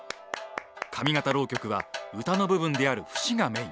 上方浪曲は歌の部分である節がメイン。